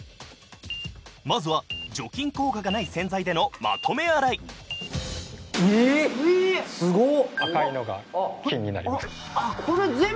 まずは除菌効果がない洗剤でのまとめ洗いうえすごっ！